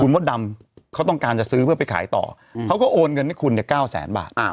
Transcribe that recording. มดดำเขาต้องการจะซื้อเพื่อไปขายต่อเขาก็โอนเงินให้คุณเนี่ย๙แสนบาท